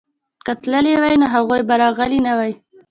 که تللي وای نو هغوی به راغلي نه وای.